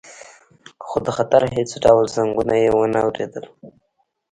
خو د خطر هیڅ ډول زنګونه یې ونه اوریدل